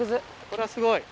これはすごい。